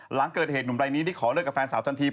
หลังเกิดเหตุหนุ่มรายนี้ได้ขอเลิกกับแฟนสาวทันที